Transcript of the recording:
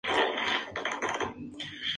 Habita en Eurasia hasta Japón.